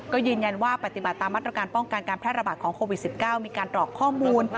ก็ยืนยันว่าปฏิบัติตามมาตรการป้องกันการแพร่ระบาดของโควิด๑๙มีการตรอกข้อมูล